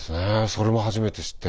それも初めて知って。